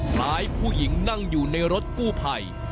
ผู้หญิงนั่งอยู่ในรถกู้ภัย